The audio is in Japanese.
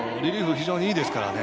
非常にいいですから。